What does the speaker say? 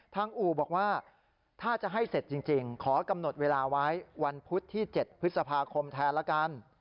อู่บอกว่าถ้าจะให้เสร็จจริงขอกำหนดเวลาไว้วันพุธที่๗พฤษภาคมแทนละกัน